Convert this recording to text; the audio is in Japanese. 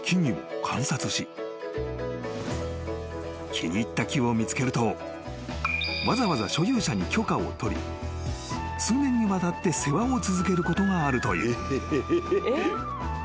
［気に入った木を見つけるとわざわざ所有者に許可を取り数年にわたって世話を続けることがあるという］